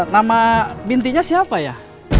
nama bintinya siapa ya